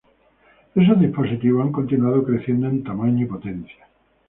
Esos dispositivos han continuado creciendo en tamaño y potencia.